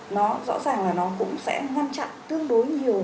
nó rõ ràng là nó cũng sẽ ngăn chặn tương đối nhiều